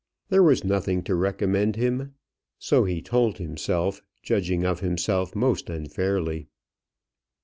There was nothing to recommend him. So he told himself, judging of himself most unfairly.